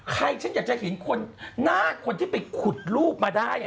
ฉันอยากจะเห็นคนหน้าคนที่ไปขุดรูปมาได้